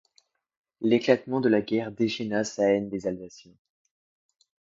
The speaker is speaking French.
L'éclatement de la guerre déchaîna sa haine des Alsaciens.